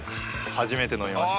初めて飲みました。